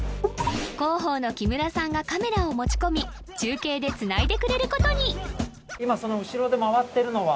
広報の木村さんがカメラを持ち込み中継でつないでくれることに今その後ろで回ってるのは？